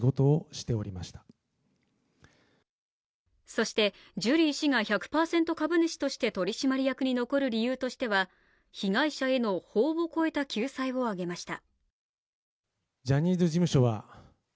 そしてジュリー氏が１００％株主として取締役に残る理由としては被害者への法を超えた救済を挙げました。